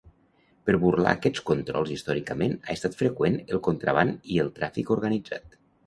Per burlar aquests controls històricament ha estat freqüent el contraban i el tràfic organitzat.